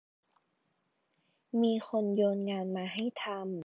มีคนโยนงานมาให้ทำ